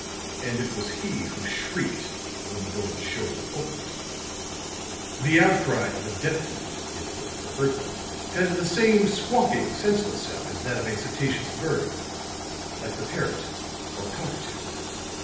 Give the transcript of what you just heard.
"And it was he who shrieked when the door of the showroom opened. The out cry of a deaf mute, if you have ever heard one, has the same squawking, senseless sound as that of a psittaceous bird like the parrot or cockatoo."